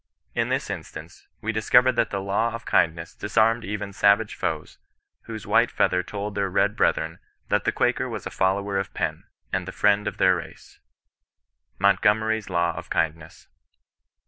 In this instance, we discover that the law of kindness disarmed even savage foes, whose white feather told their red brethren that the Quaker was a follower of Penn, and the friend of their race. — Montgormry' i Law of Kindness.